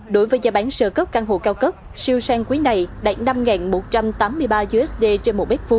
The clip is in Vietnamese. đối với giá bán sơ cấp căn hộ cao cấp siêu sang quý này đạt năm một trăm tám mươi ba usd trên một m hai